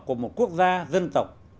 của một quốc gia dân tộc